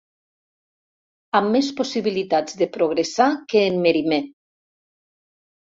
Amb més possibilitats de progressar que en Merimée.